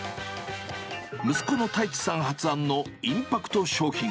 息子の太地さん発案のインパクト商品。